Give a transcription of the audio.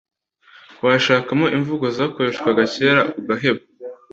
washakamo imvugo zakoreshwaga kera ugaheba